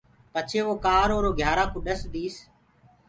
پڇي وو ڪآرو اُرو گھيآرآ ڪوُ ڏس ديس۔